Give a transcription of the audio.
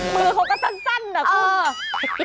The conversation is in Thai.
มือเขาก็สั้นค่ะ